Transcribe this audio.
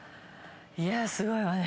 いやー、すごいわね。